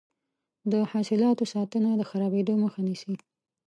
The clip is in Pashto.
د حاصلاتو ساتنه د خرابیدو مخه نیسي.